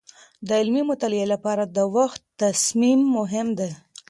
د علمي مطالعې لپاره د وخت تخصیص مهم دی.